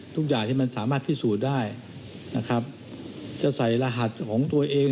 ทุกอย่างที่มันสามารถพิสูจน์ได้นะครับจะใส่รหัสของตัวเอง